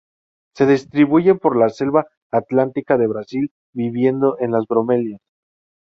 Se distribuyen por la selva atlántica de Brasil, viviendo en las bromelias.